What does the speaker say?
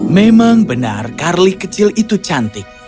memang benar carly kecil itu cantik